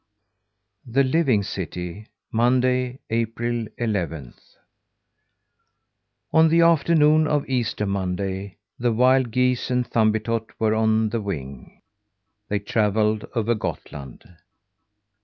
THE LIVING CITY Monday, April eleventh. On the afternoon of Easter Monday, the wild geese and Thumbietot were on the wing. They travelled over Gottland.